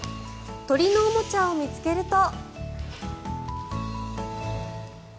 鳥のおもちゃを見つけると。